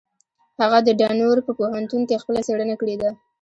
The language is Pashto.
هغه د ډنور په پوهنتون کې خپله څېړنه کړې ده.